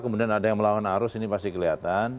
kemudian ada yang melawan arus ini pasti kelihatan